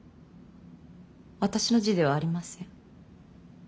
私の字ではありません。